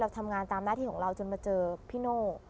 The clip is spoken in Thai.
ทำงานตามหน้าที่ของเราจนมาเจอพี่โน่